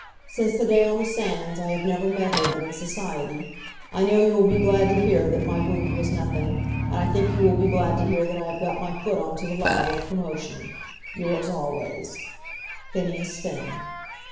Since the day on the sands, I have never met her but in society. I know you will be glad to hear that my wound was nothing; and I think you will be glad to hear that I have got my foot on to the ladder of promotion. Yours always, "PHINEAS FINN."